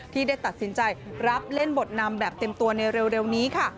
ที่ได้ตัดสินใจรับเล่นบทนำแบบเต็มตัวในเร็วนี้ค่ะ